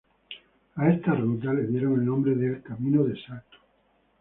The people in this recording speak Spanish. A esta ruta le dieron el nombre de "Camino del Salto".